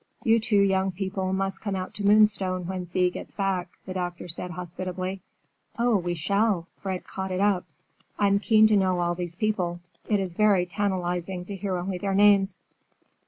"You two young people must come out to Moonstone when Thea gets back," the doctor said hospitably. "Oh, we shall!" Fred caught it up. "I'm keen to know all these people. It is very tantalizing to hear only their names."